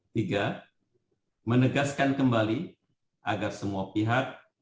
tiga menegaskan kembali agar semua pihak